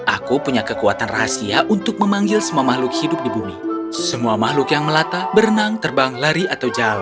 aku punya kekuatan rahasia untuk memanggil